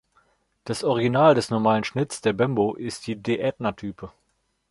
Das Original des normalen Schnitts der Bembo ist die De Aetna-Type.